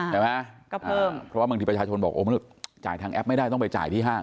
เพราะว่าบางทีประชาชนบอกจ่ายทางแอปไม่ได้ต้องไปจ่ายที่ห้าง